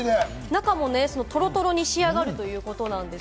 中もトロトロに仕上がるということです。